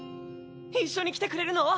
一緒に来てくれるの？